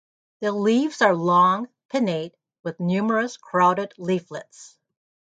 The leaves are long, pinnate, with numerous, crowded leaflets.